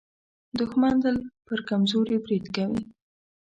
دښمن تل پر کمزوري برید کوي